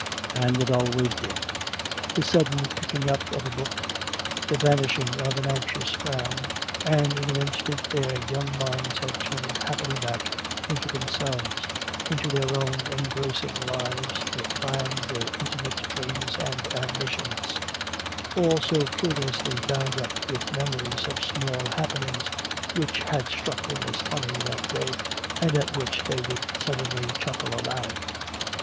And it always did. The sudden picking up of a book, the vanishing of an anxious frown, and in an instant their young minds had turned happily back into themselves, into their own engrossing lives, their plans, their intimate dreams and ambitions, all so curiously bound up with memories of small happenings which had struck them as funny that day and at which they would suddenly chuckle aloud.